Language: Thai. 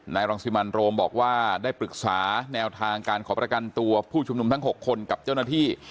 รังสิมันโรมบอกว่าได้ปรึกษาแนวทางการขอประกันตัวผู้ชุมนุมทั้ง๖คนกับเจ้าหน้าที่